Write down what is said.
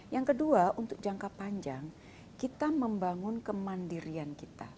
yang kedua untuk jangka panjang kita membangun kemandirian kita